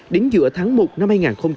đến giữa tháng một năm hai nghìn hai mươi